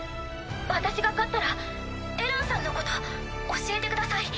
私が勝ったらエランさんのこと教えてください。